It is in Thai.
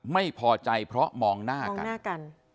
ไม่พอใจเพราะมองหน้ากัน